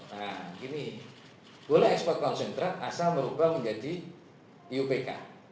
nah gini boleh ekspor konsentrat asal merubah menjadi iupk